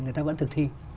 người ta vẫn thực thi